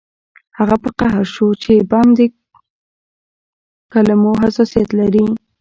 هغه په قهر شو چې بم د کلمو حساسیت لري